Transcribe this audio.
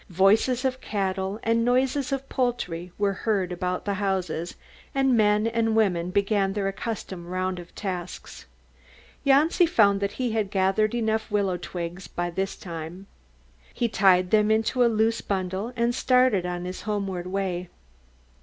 Voices of cattle and noises of poultry were heard about the houses, and men and women began their accustomed round of tasks. Janci found that he had gathered enough willow twigs by this time. He tied them in a loose bundle and started on his homeward way.